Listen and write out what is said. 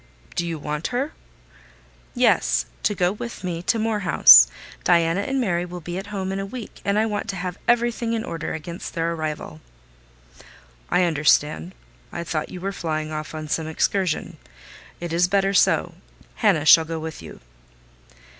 "Do you want her?" "Yes, to go with me to Moor House. Diana and Mary will be at home in a week, and I want to have everything in order against their arrival." "I understand. I thought you were for flying off on some excursion. It is better so: Hannah shall go with you."